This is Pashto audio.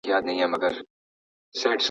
چي له جګو جګو غرونو له پېچومو کنډوونو `